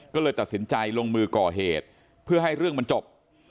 ก็เลยตัดสินใจลงมือก่อเหตุเพื่อให้เรื่องมันจบ